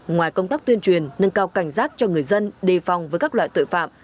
ngoài công tác tuyên truyền nâng cao cảnh giác cho người dân đề phòng với các loại tội phạm